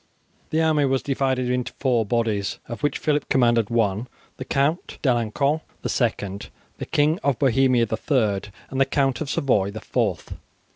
The army was divided into four bodies, of which Phillip commanded one, the Count D'Alencon the second, the King of Bohemia the third, and the Count of Savoy the fourth.